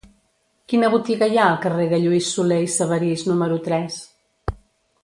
Quina botiga hi ha al carrer de Lluís Solé i Sabarís número tres?